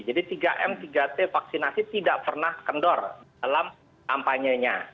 jadi tiga m tiga t vaksinasi tidak pernah kendor dalam kampanyenya